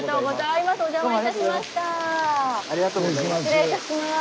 失礼いたします。